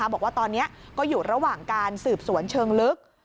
บอกว่าตอนนี้ก็อยู่ระหว่างการสืบสวนเชิงลึก